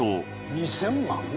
２０００万！？